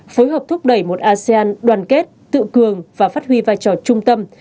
phối hợp thúc đẩy một asean đoàn kết tự cường và phát huy vai trò trung tâm